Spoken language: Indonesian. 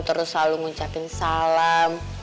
terus selalu ngucapin salam